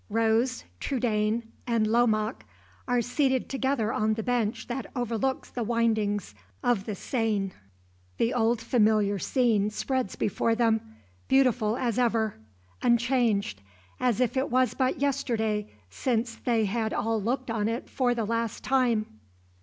Rose, Trudaine and Lomaque are seated together on the bench that overlooks the windings of the Seine. The old familiar scene spreads before them, beautiful as ever unchanged, as if it was but yesterday since they had all looked on it for the last time.